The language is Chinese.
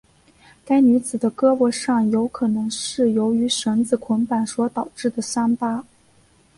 该女子的胳膊上有可能是由于绳子捆绑导致的伤疤。